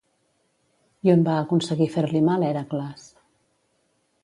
I on va aconseguir fer-li mal Hèracles?